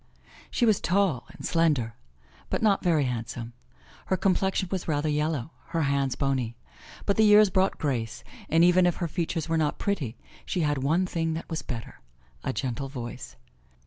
She was tall and slender, but not very handsome. Her complexion was rather yellow, her hands bony. But the years brought grace, and even if her features were not pretty she had one thing that was better, a gentle voice.